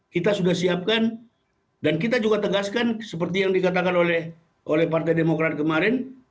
kita sudah siapkan dan kita juga tegaskan seperti yang dikatakan oleh partai demokrat kemarin